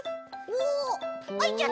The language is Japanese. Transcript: おあいちゃった！